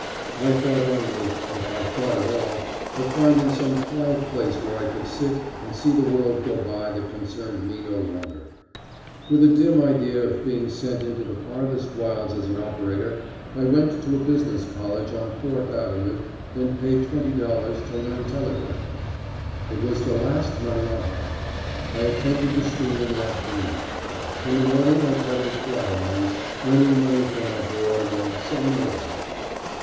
I thought only, if I thought at all, of finding some quiet place where I could sit and see the world go by that concerned me no longer. With a dim idea of being sent into the farthest wilds as an operator, I went to a business college on Fourth Avenue and paid $20 to learn telegraphing. It was the last money I had. I attended the school in the afternoon. In the morning I peddled flat irons, earning money for my board, and so made out.